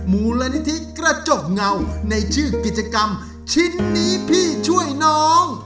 มูลนิธิกระจกเงาในชื่อกิจกรรมชิ้นนี้พี่ช่วยน้อง